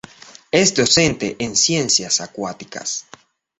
Es docente en ciencias acuáticas.